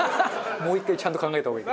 もう１回ちゃんと考えた方がいい。